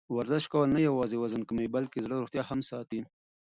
ورزش کول نه یوازې وزن کموي، بلکې د زړه روغتیا هم ساتي.